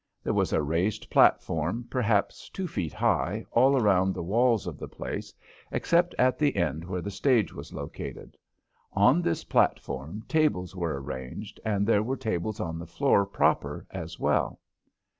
There was a raised platform, perhaps two feet high, all round the walls of the place, except at the end where the stage was located. On this platform tables were arranged, and there were tables on the floor proper as well.